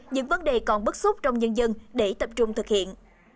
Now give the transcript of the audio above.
những vấn đề còn bức xúc trong nhân dân để tập trung thực hiện